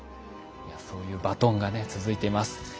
そういうバトンがね続いています。